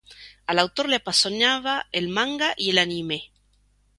Al autor le apasionaba el manga y el anime.